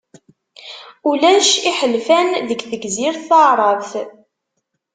Ulac iḥelfan deg Tegzirt Taεrabt.